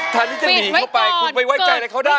แทนที่จะหนีเข้าไปคุณไปไว้ใจอะไรเขาได้